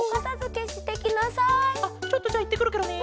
あっちょっとじゃあいってくるケロね。